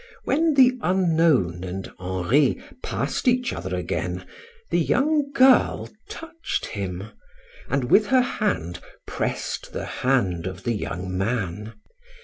When the unknown and Henri passed each other again, the young girl touched him, and with her hand pressed the hand of the young man.